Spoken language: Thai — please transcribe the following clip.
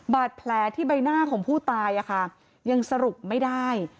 บาดแผลที่ใบหน้าของผู้ตายยังสรุปไม่ได้